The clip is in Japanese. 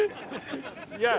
いや。